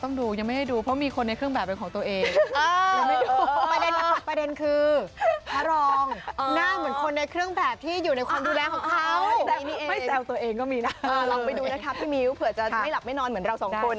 ลองไปดูนะคะพี่มิวเผื่อจะไม่หลับไม่นอนเหมือนเราสองคน